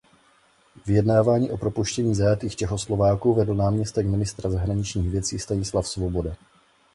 Vyjednávání o propuštění zajatých Čechoslováků vedl náměstek ministra zahraničních věcí Stanislav Svoboda.